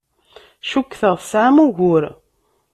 Cukkteɣ tesɛam ugur.